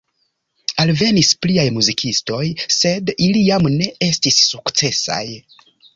Alvenis pliaj muzikistoj, sed ili jam ne estis sukcesaj.